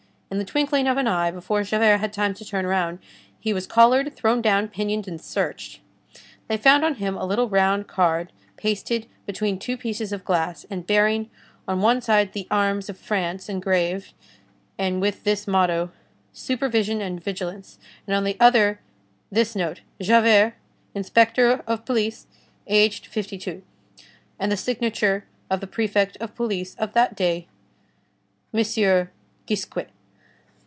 In the twinkling of an eye, before Javert had time to turn round, he was collared, thrown down, pinioned and searched. They found on him a little round card pasted between two pieces of glass, and bearing on one side the arms of France, engraved, and with this motto: Supervision and vigilance, and on the other this note: "JAVERT, inspector of police, aged fifty two," and the signature of the Prefect of Police of that day, M. Gisquet.